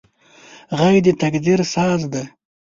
غږ د تقدیر ساز دی